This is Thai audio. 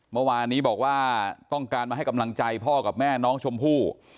เมื่อวานนี้บอกว่าต้องการมาให้กำลังใจพ่อกับแม่น้องชมพู่